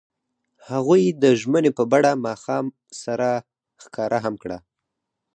هغوی د ژمنې په بڼه ماښام سره ښکاره هم کړه.